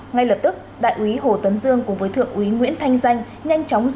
ngay lập tức đại úy hồ tấn dương cùng với thượng úy nguyễn thanh danh